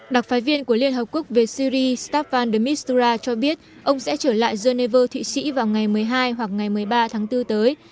đặc phái viên của liên hợp quốc về syri stafvan dmistura cho biết ông sẽ trở lại geneva thụy sĩ vào ngày một mươi hai hoặc ngày một mươi ba tháng bốn tới